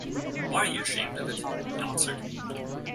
“Why are you ashamed of it,” he answered.